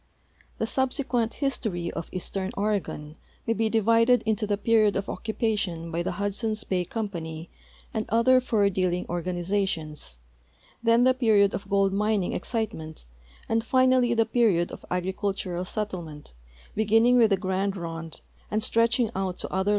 The subsequent history of eastern Oregon may he divided into the period of occupation by the Hudson's Bay Company and other fur dealing organizations, then the ])eriod of gold mining excitement, and finally the j^eriod of agricultural settlement, beginning with the Grand Ronde and stretching out to other le.